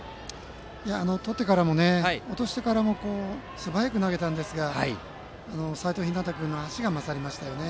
とってからも落としてからも素早く投げたんですが齋藤陽君の足が勝りましたね。